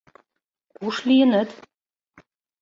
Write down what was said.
«Куш лийыныт?